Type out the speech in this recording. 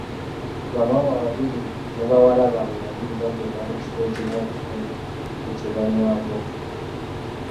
Bamaama babiri ne bawala baabwe babiri bagenda mu kifo ekimu okufuna ku kye banywako.